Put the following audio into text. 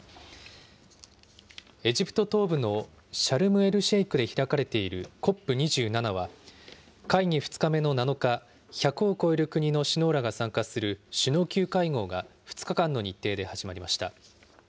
エジプト東部のシャルムエルシェイクで開かれているＣＯＰ２７は、会議２日目の７日、１００を超える国の首脳らが参加する首脳級会合が、２日間の日程で始まりました。